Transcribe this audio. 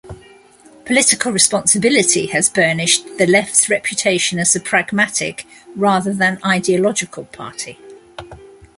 Political responsibility has burnished the Left's reputation as a pragmatic, rather than ideological party.